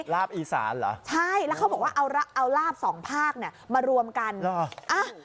ลาบอีสานเหรอใช่แล้วเขาบอกว่าเอาลาบสองภาคเนี่ยมารวมกัน